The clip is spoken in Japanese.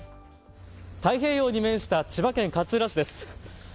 太平洋に面した千葉県勝浦市です。